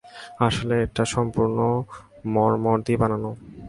আসলে, ওটা মসৃণ মর্মর দিয়ে বানানো।